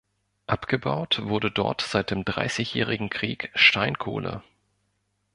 Abgebaut wurde dort seit dem Dreißigjährigen Krieg Steinkohle.